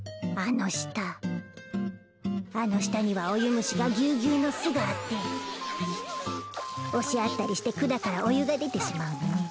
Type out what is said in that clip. あの下にはお湯虫がぎゅうぎゅうの巣があって押し合ったりして管からお湯が出てしまうのね